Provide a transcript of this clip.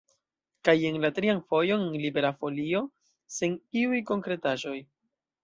Kaj jen la trian fojon en Libera Folio sen iuj konkretaĵoj.